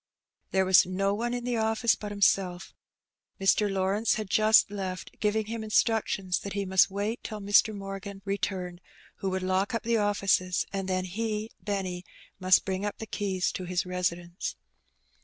There was no one in the office but himself. Mr. Lawrence had just left, giving him instructions that he must wait till Mr. Morgan returned, who would lock up the offices, and then he (Benny) must bring up the keys to his residence.